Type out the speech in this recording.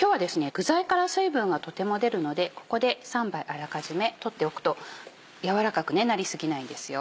具材から水分がとても出るのでここで３杯あらかじめ取っておくと軟らかくなり過ぎないんですよ。